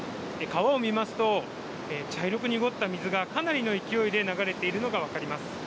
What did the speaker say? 川を見ますと茶色く濁っている水がかなりの勢いで流れているのが分かります。